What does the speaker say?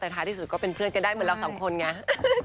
แต่ท้ายที่สุดก็เป็นเพื่อนกันได้เหมือนเราสองคนไง